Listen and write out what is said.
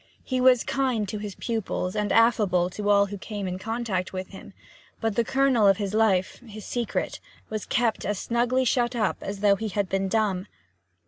He was kind to his pupils and affable to all who came in contact with him; but the kernel of his life, his secret, was kept as snugly shut up as though he had been dumb.